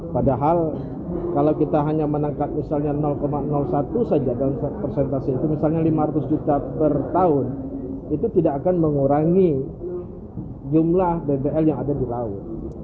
padahal kalau kita hanya menangkap misalnya satu saja dalam persentase itu misalnya lima ratus juta per tahun itu tidak akan mengurangi jumlah bbl yang ada di laut